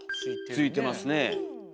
ついてますね。